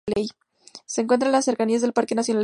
Se encuentra en las cercanías del Parque nacional de Doñana.